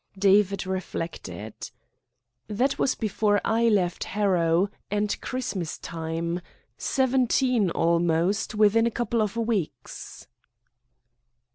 David reflected. "That was before I left Harrow, and Christmas time. Seventeen almost, within a couple of weeks."